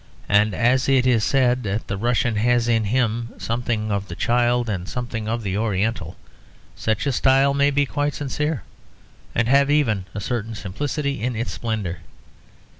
And as it is said that the Russian has in him something of the child and something of the oriental, such a style may be quite sincere, and have even a certain simplicity in its splendour.